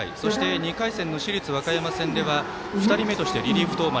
２回戦の市立和歌山戦では２人目としてリリーフ登板